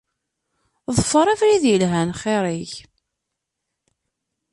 Ḍfer abrid ilhan xir-ik